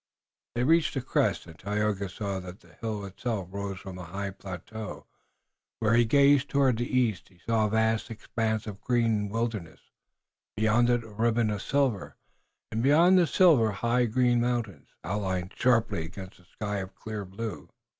They reached the crest, and Tayoga saw then that the hill itself rose from a high plateau. When he gazed toward the east he saw a vast expanse of green wilderness, beyond it a ribbon of silver, and beyond the silver high green mountains, outlined sharply against a sky of clear blue.